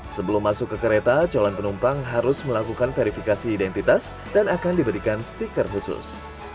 sebelum masuk ke kereta calon penumpang harus melakukan verifikasi identitas dan akan diberikan stiker khusus